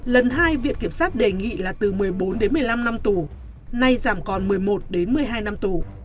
lần hai viện kiểm sát đề nghị là từ một mươi bốn đến một mươi năm năm tù nay giảm còn một mươi một đến một mươi hai năm tù